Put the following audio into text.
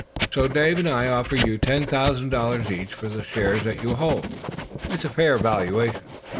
So Dave and I offer you ten thousand dollars each for the shares that you hold. It is a fair valuation."